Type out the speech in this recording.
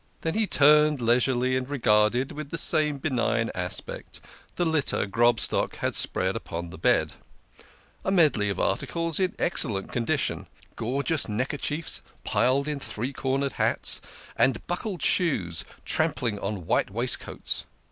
Then he turned leisurely and regarded with the same benign aspect the litter Grob stock had spread upon the bed a medley of articles in excellent condi tion, gorgeous neck erchiefs piled in three cornered hats, and buckled shoes trampling on white waistcoats.